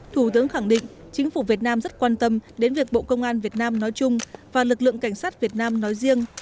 thủ tướng khẳng định chính phủ việt nam rất quan tâm đến việc bộ công an việt nam nói chung và lực lượng cảnh sát việt nam nói riêng